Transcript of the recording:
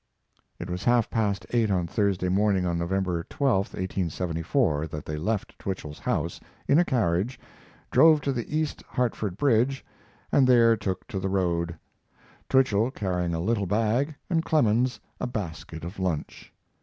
It was half past eight on Thursday morning, November 12, 1874, that they left Twichell's house in a carriage, drove to the East Hartford bridge, and there took to the road, Twichell carrying a little bag and Clemens a basket of lunch.